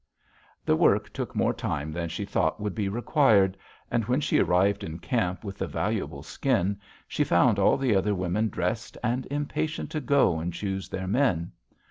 "The work took more time than she thought would be required, and when she arrived in camp with the valuable skin, she found all the other women dressed and impatient to go and choose their men.